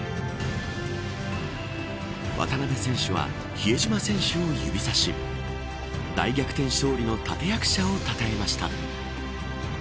渡邊選手は比江島選手を指さし第逆転勝利の立役者を称えました。